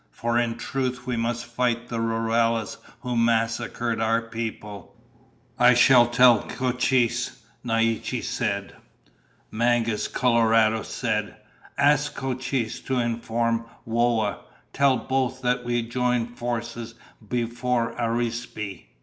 For in truth we must fight the rurales who massacred our people." "I shall tell Cochise," Naiche said. Mangus Coloradus said, "Ask Cochise to inform Whoa. Tell both that we join forces before Arispe."